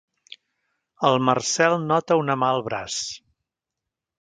El Marcel nota una mà al braç.